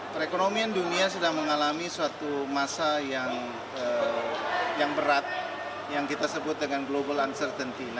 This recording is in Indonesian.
perekonomian dunia sedang mengalami suatu masa yang berat yang kita sebut dengan global uncertainty